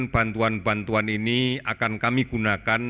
bantuan bantuan ini akan kami gunakan